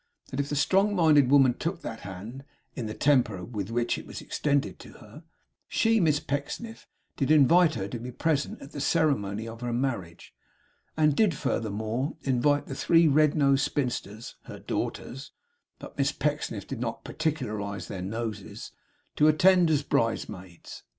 That if the strong minded women took that hand, in the temper in which it was extended to her, she, Miss Pecksniff, did invite her to be present at the ceremony of her marriage, and did furthermore invite the three red nosed spinsters, her daughters (but Miss Pecksniff did not particularize their noses), to attend as bridesmaids.